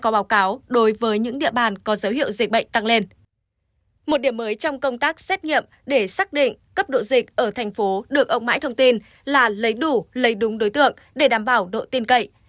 một điểm mới trong công tác xét nghiệm để xác định cấp độ dịch ở thành phố được ông mãi thông tin là lấy đủ lấy đúng đối tượng để đảm bảo độ tin cậy